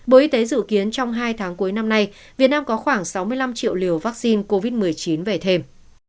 bộ y tế dự kiến trong hai tháng cuối năm nay việt nam có khoảng sáu mươi năm triệu liều vaccine covid một mươi chín về thêm